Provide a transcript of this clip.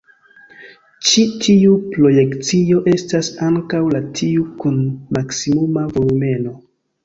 Ĉi tiu projekcio estas ankaŭ la tiu kun maksimuma volumeno.